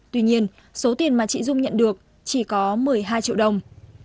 tuy nhiên số tiền mà chị dung nhận được chỉ có một mươi hai triệu đồng